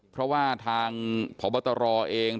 เพราะว่าทางพบตรเอง